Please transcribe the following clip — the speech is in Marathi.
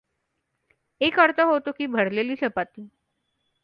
एक अर्थ होतो की भरलेली चपाती.